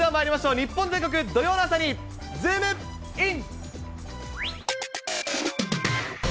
日本全国土曜の朝にズームイン！！